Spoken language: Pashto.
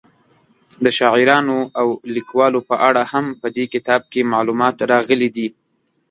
د شاعرانو او لیکوالو په اړه هم په دې کتاب کې معلومات راغلي دي.